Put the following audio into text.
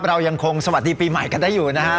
เรายังคงสวัสดีปีใหม่กันได้อยู่นะฮะ